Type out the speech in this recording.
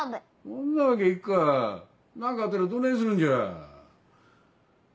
そんなわけ行くか何かあったらどねぇするんじゃ。